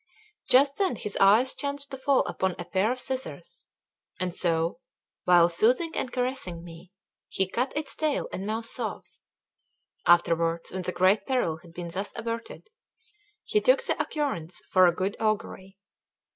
Just then his eyes chanced to fall upon a pair of scissors; and so, while soothing and caressing me, he cut its tail and mouths off. Afterwards, when the great peril had been thus averted, he took the occurrence for a good augury.